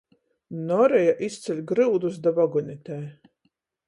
Noreja izceļ gryudus da vagonetei.